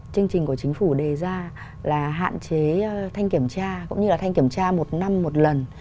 chương trình của chính phủ đề ra là hạn chế thanh kiểm tra cũng như là thanh kiểm tra một năm một lần